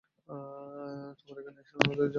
তোমার এখানে এসে উনাদের জানাতে হবে।